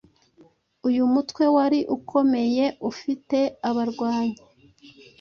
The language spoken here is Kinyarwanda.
uyu mutwe wari ukomeye ufite abarwanyi